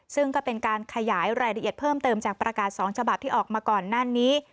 ซึ่งก็เป็นการขยายรายละเอียดเพิ่มเติมจากประกาศ๒ฉบับที่ออกมาก่อนหน้านี้